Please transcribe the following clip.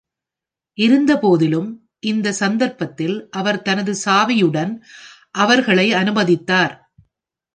இருந்தபோதிலும், இந்த சந்தர்ப்பத்தில், அவர் தனது சாவியுடன் அவர்களை அனுமதித்தார்.